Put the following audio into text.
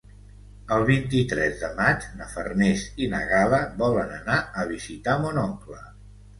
El vint-i-tres de maig na Farners i na Gal·la volen anar a visitar mon oncle.